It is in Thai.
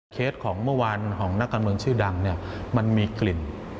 เคสของเมื่อวานของนักการเมืองชื่อดังเนี่ยมันมีกลิ่น